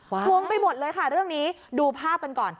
งงไปหมดเลยค่ะเรื่องนี้ดูภาพกันก่อน